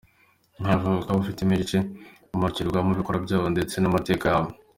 Nawo ukaba ufitemo igice imurikirwamo ibikorwa byawo ndetse n’amateka yawo.